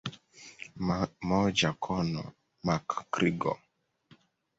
MojaConor McGregor